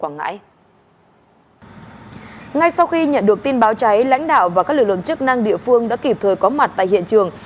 ngay sau khi nhận được tin báo cháy lãnh đạo và các lực lượng chức năng địa phương đã kịp thời có mặt tại hiện trường